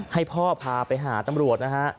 ให้พ่อพาไปหาตำรวจนะฮะ